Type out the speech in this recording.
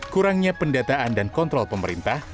kurangnya pendataan dan kontrol pemerintah